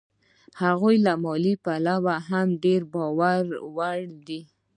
هغوی له مالي پلوه هم د باور وړ دي